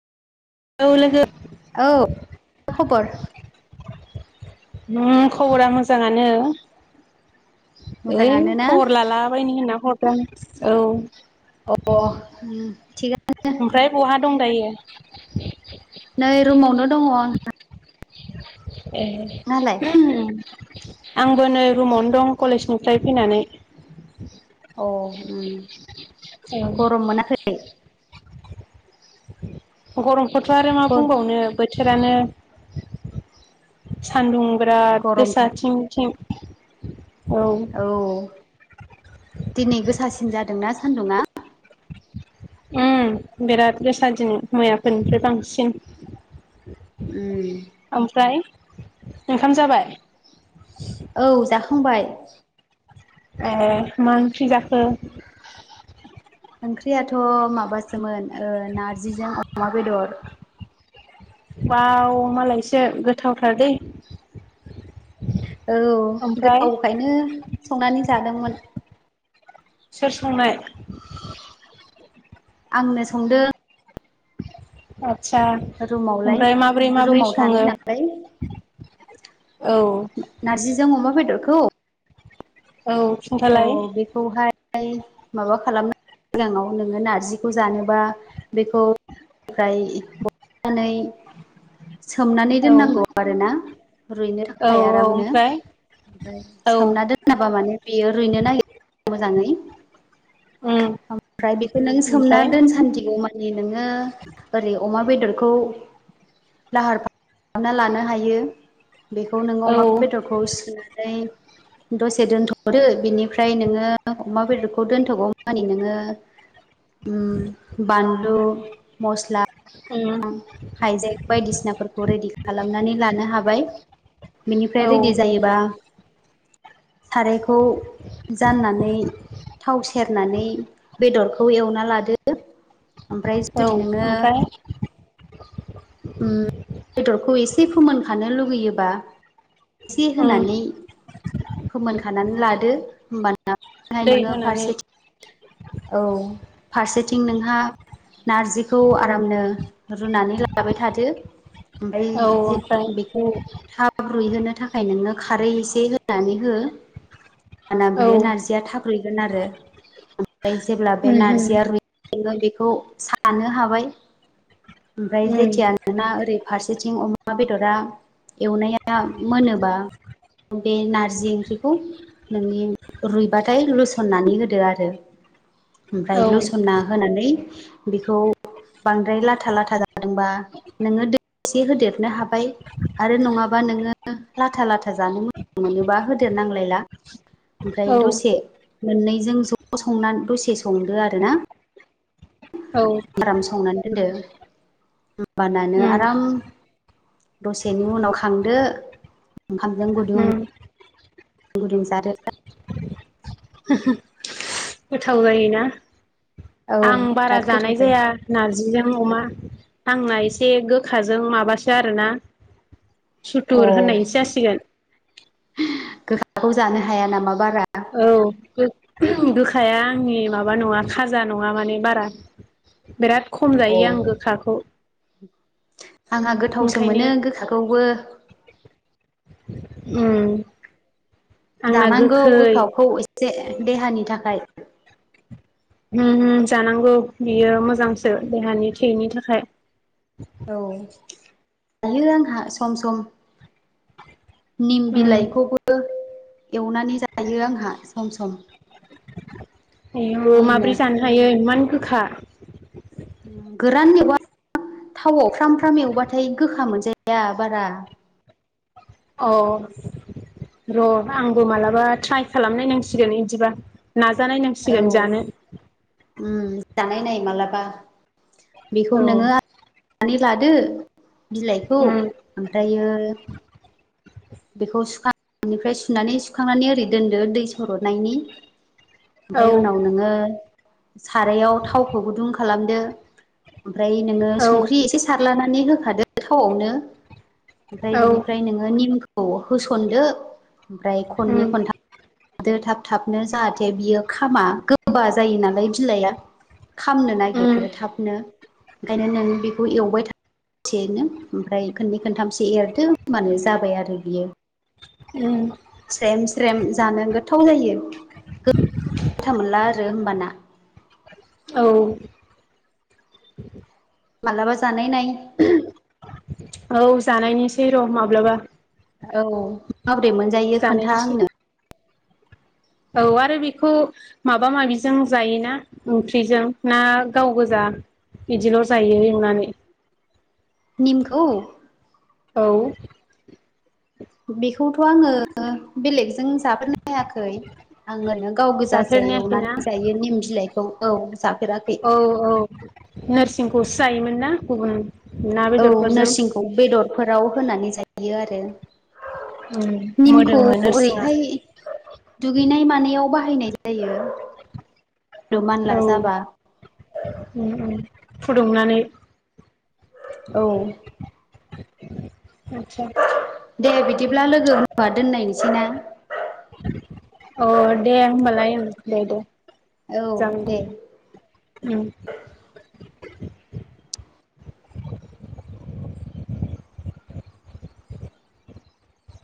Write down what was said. औ लोगो औ मा खबर उम खबरा मोजाङानो ओइ मोजाङानो ना खबर लालाबायनो होनना हरदों आ औ अ थिगा ओमफ्राय बहा दं दायो नै रुमावनो दङं ए आंबो नै रुमावनो दं कलेजनिफ्राय फैनानै अ गरम मोनाखै गरमखौथ' आरो मा बुंबावनो बोर बोथोरानो सान्दुं बिराद गरमखा गोसाथिंथिं औ दिनै गोसासिन जादोंना सान्दुंङा उ बिराद गोसा दिनो मैयाफोरनिफ्राय बांसिन ओमफ्राय ओंखाम जाबाय औ जाखांबाय ए मा ओंख्रि जाखो ओंख्रियाथ' माबासोमोन नारजिजों अमा बेदर बाव मालायसो गोथावथाराद औ गोथावखायनो संनानै जादोंमोन सोर संनाय आंनो संदों आतसा रुमावलाय ओमफ्राय माबोरै माब्रै रुमाव थानाय सङो नालाय औ नारजिजों अमा बेदरखौ औ औ खिन्थालाय बेखौहाय फ्राय माबा खालामना सिगाङाव नोङो नारजिखौ जानोबा बेखौ निफ्राय बनानै सोमनानै औ दोननांगौ आरोना रुइनो औ थाखाय आरामनो ओमफ्राय ओमफ्राय औ सोमना दोनाबा माने रैनो नागिरा मोजाङै उम ओमफ्राय बेखौ नों सोमना ओमफ्राय दोनसान्दि अमानि नोङो ओरै अमा बेदरखौ लाहार फाहार खालामना लानो हायो बेखौ नों औ अमाा बेदरखौ सुनानै दसे दोनथ' हरो बिनिफ्राय नोङो अमा बेदरखौ दोनथ'गौ मानि नोङो बानलु मस्ला उम आं हाइजें बायदिसिनाफोरखौ रेडि खालामनानै लानो हाबाय औ बेनिफ्राय रेडि जायोबा सारायखौ जाननानै थाव सेरनानै बेदरखौ खौ एवना लादो ओमफ्राय जुदि नोङो द बेदरखौ एसे फोमोनखानो लुगैयोबा एसे उम होनानै फोमोनखानानै लादो होमबानो दै होनानै औ फारसेथिं नोंहा नारजिखौ आरामनो रुनानै लाबाय थादो ओमफ्राय औ ज ओमफ्राय बेखौ थाब रुइहोनो आ नोङनो खारै एसे होनानै हो हबाना औ बियो उम नारजिया थाब रैगोन आरो जेब्ला बे नारजिया उम लैखोन बेखौ बे खौ सानो हाबाय ओमफ्राय उम जेथिया नोंना ओरै फारसेथिं अमा बेदरा एवनाया मोनोबा बे नारजि ओंख्रिखौ नोंनि रुइबाथाय लुसननानै होदो आरो । औ ओमफ्राय लुसोमना होनानै बेखौ बांद्राय लाथा लाथा जादोंबा नोङो दै एसे होदेरनो हाबाय । आरो नङाबा नोङो लाथा लाथा जानो मोजां मोनोबा होदेरनांलायला । ओमफ्राय औ दसे मोननैजों ज' संना दसे संदो आरो ना । औ उम हब्राम [unintelligible] संनानै दोनदो । बानानो आराम दसेनि उनाव खांदो ओंखामजों गुदुं उम गुदुं जादो गोथाव जायोना औ आं बारा बिराद गोथाव जानाय जायो जाया नारजि जों अमा आंना एसे गोखाजों माबासो आरोना । अ सुथुर होननायनिसो जासिगोन । गोखाखौ जानो हाया नामा बारा? औ गोखाया आंनि माबा माबा नङा खाजा नङा माने बारा बिराद खम अ जायो आं गोखाखौ । आंहा गोथावसो मोनो गोखाखौबो । ओम दानांगौ गोखावखौ एसे देहानि थाखाय । ओम ओम जानांगौ बियो मोजांसो देहानि थैनि थाखाय । औ जायो आंहा सम सम । निम उम बिलाइखौबो एवनानै जायो आंहा सम सम । आयौ माब्रै जानो हायो इमान गोखा? गोरान एवबा थावयाव फ्राम फ्राम एवबाथाय गोखा मोनजाया बारा । औ र' आंबो मालाबा ट्राय खालामनायनांसिगोन इदिबा । नाजा नायनांसिगोन जानो । ओम जानाय नाय मालाबा बेखौ औ नोङो आनानै [unintelligible] लादो बिलाइखौ उम ओमफ्रायो बेखौ सुखांनायनिफ्राय सुनानै सुखांनानै ओरै दोनदो दै सर'नायनि औ ओमफ्राय उनाव नोङो सारायाव थावखौ गुदुं खालामदो । ओमफ्राय नोङो औ संख्रि एसे सारलानानै होखादो थावयावनो । ओमफ्राय औ बिनिफ्राय नोङो निमखौ होस'नदो । ओमफ्राय खननै उम खनथाम दो थाब थाबनो जाहाथे बियो खामा गोबा जायो नालाय बिलाइया । खामनो उम नागिरो थाबनो ओंखायनो नों बेखौ एवबाय था । एसेनो ओमफ्राय खननै खनथामसो एरदो होनोमबानो जाबाय आरो । उम बियो स्रेम स्रेम जानो गोथाव जायो । [inaudible] था मोनला आरो होमबाना । औ मालाबा जानाय नाय । औ जानायनिसै र' माब्लाबा । औ माब्रै मोनजायो खोनथा जानायनोसै आंनो । औ आरो बेखौ माबा माबिजों जायोना ओंख्रिजों ना गाव गोजा बिदिल' जायो एवनानै । निमखौ औ बेखौथ' आङो बेलेगजों जाफोनो हायाखै । आं ओरैनो गाव गोजासो जाफेरनायाखैना एवनानै जायो निम बिलाइखौ औ जाफेराखै औ औ नोरसिंखौसो जायोमोन ना गुबुन ना औ बेदरफोरजों नोरसिंखौ बेदरफोराव होनानै जायो आरो उम निमखौ मोदोमो नोरसिङा ओरैहाय दुगैनाय मानायाव बाहायनाय जायो जायो औ ओम ओम फुदुंनानै औ आदसा दे बिदिब्ला लोगो होनवा दोनलायनोसैना। अ दे होमबालाय उम दे दे औ जां दे उम